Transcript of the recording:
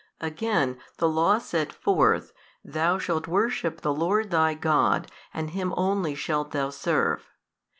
Again, the Law set forth, Thou shalt worship the Lord thy God and Him only shalt thou serve.